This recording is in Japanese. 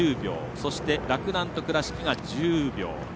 そして、洛南と倉敷が１０秒。